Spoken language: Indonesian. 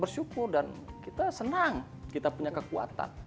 bersyukur dan kita senang kita punya kekuatan